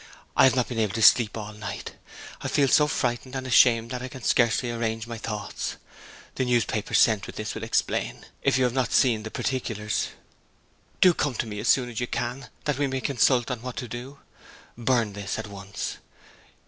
I have not been able to sleep all night. I feel so frightened and ashamed that I can scarcely arrange my thoughts. The newspapers sent with this will explain, if you have not seen particulars. Do come to me as soon as you can, that we may consult on what to do. Burn this at once.